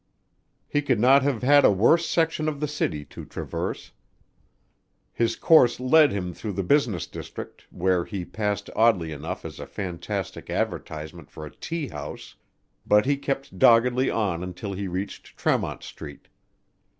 He could not have had a worse section of the city to traverse his course led him through the business district, where he passed oddly enough as a fantastic advertisement for a tea house, but he kept doggedly on until he reached Tremont Street.